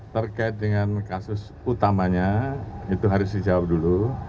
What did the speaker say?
terkait dengan kasus utamanya itu harus dijawab dulu